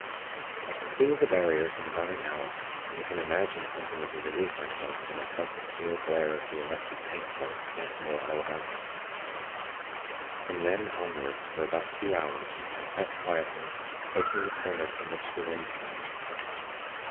"I completed the barriers in about an hour, and you can imagine something of the relief I felt when I felt the pale glare of the Electric Pentacle once more all about me. From then, onward, for about two hours, I sat quietly, facing the corner from which the wind came.